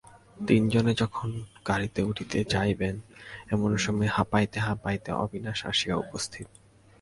তিনজনে যখন গাড়িতে উঠিতে যাইবেন এমন সময় হাঁপাইতে হাঁপাইতে অবিনাশ আসিয়া উপস্থিত।